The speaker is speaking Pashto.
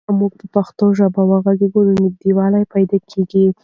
که موږ په پښتو وغږېږو نو نږدېوالی پیدا کېږي.